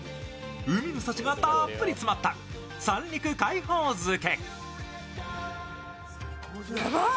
海の幸がたっぷり詰まった三陸海宝漬。